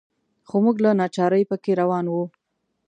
خو موږ له ناچارۍ په کې روان وو.